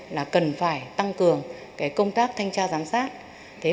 là cần phải tăng cường công tác thanh tra giám sát